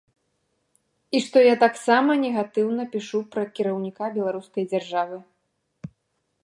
І што я таксама негатыўна пішу пра кіраўніка беларускай дзяржавы.